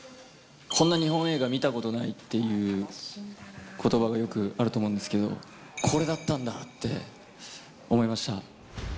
こんな日本映画見たことないっていうことばがよくあると思うんですけど、これだったんだ！って思いました。